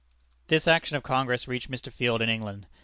This action of Congress reached Mr. Field in England.